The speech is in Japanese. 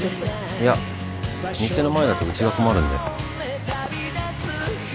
いや店の前だとうちが困るんで。